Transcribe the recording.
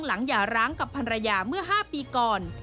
หย่าร้างกับภรรยาเมื่อ๕ปีก่อน